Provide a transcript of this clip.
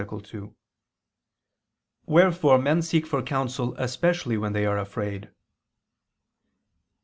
2). Wherefore men seek for counsel especially when they are afraid.